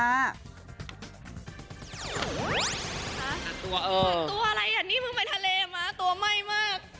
เหมือนตัวอะไรอ่ะนี่มึงไปทะเลมะตัวไหม้มาก